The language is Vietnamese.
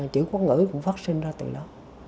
chữ quốc ngữ cũng phát sinh ra từ đó